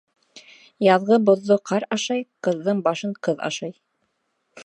Яҙғы боҙҙо ҡар ашай, ҡыҙҙың башын ҡыҙ ашай.